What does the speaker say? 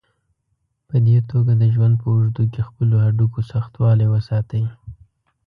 په دې توګه د ژوند په اوږدو کې خپلو هډوکو سختوالی وساتئ.